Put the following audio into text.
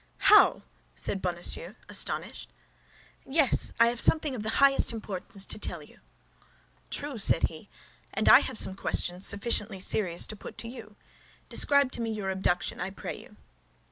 "How!" said Bonacieux, astonished. "Yes, I have something of the highest importance to tell you." "True," said he, "and I have some questions sufficiently serious to put to you. Describe to me your abduction, I pray you."